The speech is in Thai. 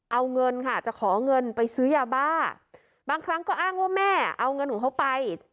เอาเงินค่ะจะขอเงินไปซื้อยาบ้าบางครั้งก็อ้างว่าแม่เอาเงินของเขาไป